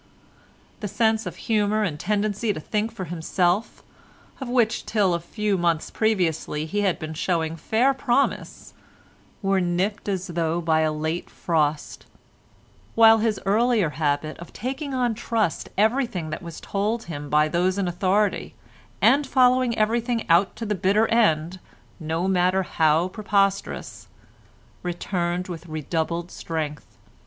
The sense of humour and tendency to think for himself, of which till a few months previously he had been showing fair promise, were nipped as though by a late frost, while his earlier habit of taking on trust everything that was told him by those in authority, and following everything out to the bitter end, no matter how preposterous, returned with redoubled strength.